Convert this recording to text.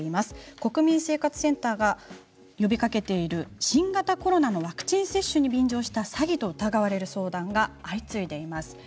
国民生活センターが呼びかけている新型コロナのワクチン接種に便乗した詐欺と疑われる相談が相次いでいます。